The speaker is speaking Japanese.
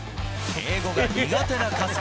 英語が苦手な春日。